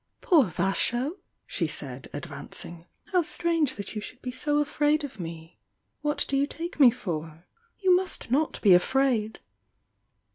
"Poor Vasho I" she said, advancing. "How strange that you should be so afraid of me! What do you take me for? You must not be afraid!"